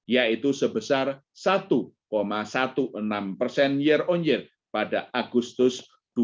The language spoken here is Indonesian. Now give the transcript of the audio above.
yaitu sebesar satu enam belas persen year on year pada agustus dua ribu dua puluh